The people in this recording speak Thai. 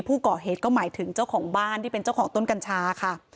ผู้ก่อเหตุก็หมายถึงเจ้าของบ้านที่เป็นเจ้าของต้นกัญชาค่ะ